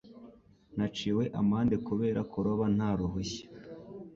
Naciwe amande kubera kuroba nta ruhushya.